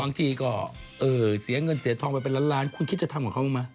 บางทีก็เสียเงินเสียทองไปเป็นร้านคุณคิดจะทำกับเขามา